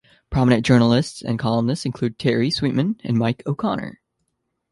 Prominent journalists and columnists include Terry Sweetman and Mike O'Connor.